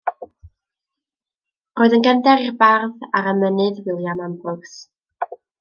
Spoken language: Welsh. Roedd yn gefnder i'r bardd a'r emynydd William Ambrose.